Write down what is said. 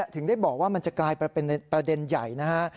ถึงได้บอกว่ามันจะกลายเป็นประเด็นใหญ่นะฮะ